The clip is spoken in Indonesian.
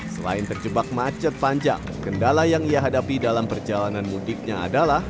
selain terjebak macet panjang kendala yang ia hadapi dalam perjalanan mudiknya adalah